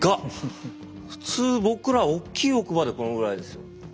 普通僕らおっきい奥歯でこのぐらいですよ。